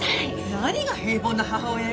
何が平凡な母親よ！